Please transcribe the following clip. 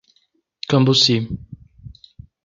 Cambuci